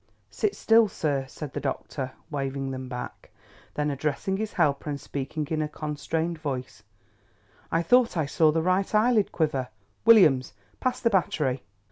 "Sit still, sir," said the doctor, waving them back. Then addressing his helper, and speaking in a constrained voice: "I thought I saw the right eyelid quiver, Williams. Pass the battery."